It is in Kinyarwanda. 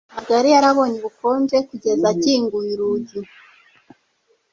Ntabwo yari yabonye ubukonje kugeza akinguye urugi